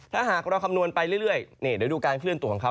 ถ้าหากเราคำนวณไปเรื่อยเดี๋ยวดูการเคลื่อนตัวของเขา